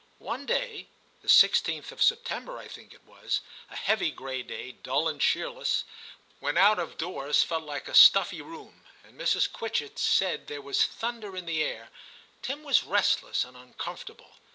One day — the i6th of September I think it was — a heavy gray day, dull and cheerless, when out of doors felt like a stuffy room, and Mrs. Quitchett said there was thunder in the air, Tim was restless and uncomfortable.